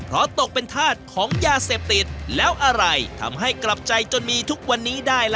เพราะตกเป็นธาตุของยาเสพติดแล้วอะไรทำให้กลับใจจนมีทุกวันนี้ได้ล่ะ